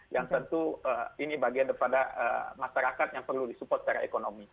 yang tentu ini bagian daripada masyarakat yang perlu disupport secara ekonomi